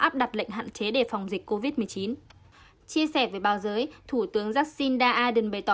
áp đặt lệnh hạn chế để phòng dịch covid một mươi chín chia sẻ với báo giới thủ tướng jacinda ardern bày tỏ